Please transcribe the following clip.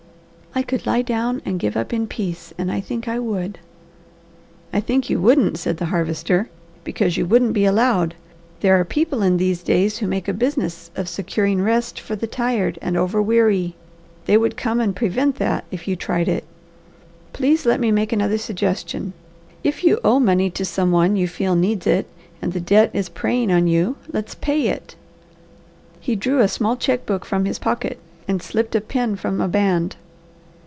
"I could lie down and give up in peace, and I think I would." "I think you wouldn't," said the Harvester, "because you wouldn't be allowed. There are people in these days who make a business of securing rest for the tired and over weary, and they would come and prevent that if you tried it. Please let me make another suggestion. If you owe money to some one you feel needs it and the debt is preying on you, let's pay it." He drew a small check book from his pocket and slipped a pen from a band.